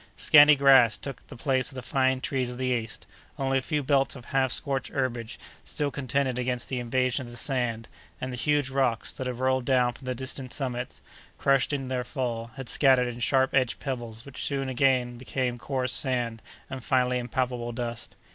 Scanty grass took the place of the fine trees of the east; only a few belts of half scorched herbage still contended against the invasion of the sand, and the huge rocks, that had rolled down from the distant summits, crushed in their fall, had scattered in sharp edged pebbles which soon again became coarse sand, and finally impalpable dust.